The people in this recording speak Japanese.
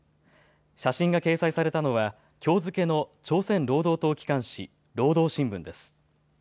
写真が掲載されたのはきょう付けの朝鮮労働党機関紙労働新聞です。